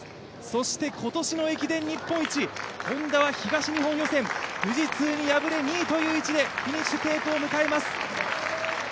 そして、今年の駅伝日本一・Ｈｏｎｄａは東日本予選、富士通に敗れ、２位という位置でフィニッシュテープを迎えます。